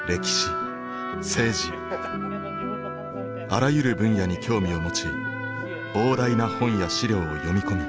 あらゆる分野に興味を持ち膨大な本や資料を読み込み